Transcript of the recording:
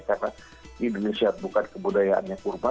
karena di indonesia bukan kebudayaannya kurma